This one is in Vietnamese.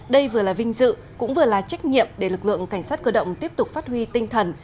đây vừa là vinh dự cũng vừa là trách nhiệm để lực lượng cảnh sát cơ động tiếp tục phát huy tinh thần